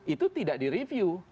itu tidak di review